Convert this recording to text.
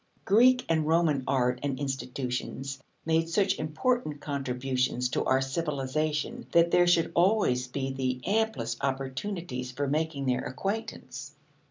Greek and Roman art and institutions made such important contributions to our civilization that there should always be the amplest opportunities for making their acquaintance.